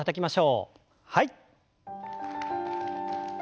はい。